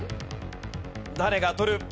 誰が取る？